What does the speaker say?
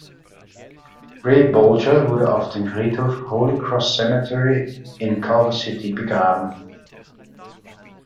Ray Bolger wurde auf dem Friedhof Holy Cross Cemetery in Culver City begraben.